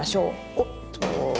おっと。